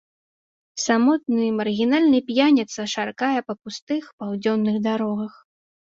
Самотны маргінальны п'яніца шаркае па пустых паўдзённых дарогах.